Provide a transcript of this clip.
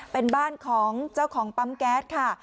เป็นบ้านของเจ้าของปั๊มแก๊สค่ะ